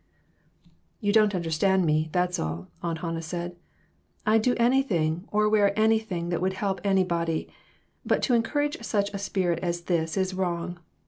"You don't understand me, that's all," Aunt Hannah said; "I'd do anything or wear anything that would help anybody ; but to encourage such a spirit as this is wrong.